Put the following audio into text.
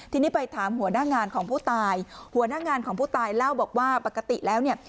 ทีนี้ไปถามหัวหน้างานของผู้ตายหัวหน้างานของผู้ตายเล่าบอกว่าปกติแล้วเนี่ย